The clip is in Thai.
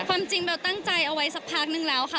ความจริงเบลตั้งใจเอาไว้สักพักนึงแล้วค่ะ